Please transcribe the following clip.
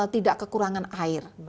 tidak kekurangan air